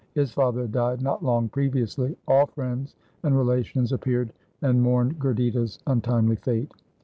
His father had died not long previously. All friends and relations appeared and mourned Gurditta's un timely fate.